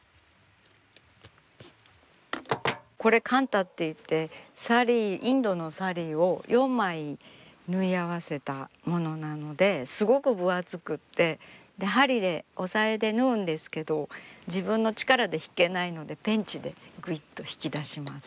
これカンタっていってサリーインドのサリーを４枚縫い合わせたものなのですごく分厚くて針で押さえで縫うんですけど自分の力で引けないのでペンチでぐいっと引き出します。